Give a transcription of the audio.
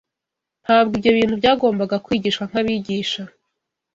Ntabwo ibyo bintu byagombaga kwigishwa nk’abigisha